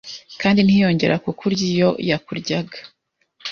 kandi ntiyongera kukurya iyo yakuryaga.